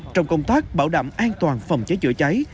trong công tác bảo đảm an toàn phòng cháy chữa cháy